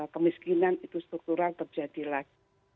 kemiskinan itu struktural terjadi lagi